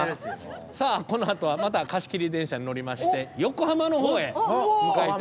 さあこのあとはまた貸し切り電車に乗りまして横浜のほうへ向かいたいと思います。